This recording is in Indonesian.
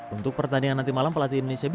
untuk pertandingan nanti malam pelatih indonesia